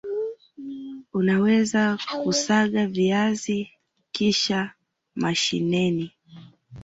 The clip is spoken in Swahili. unaweza kuSaga viazi kishe mashineni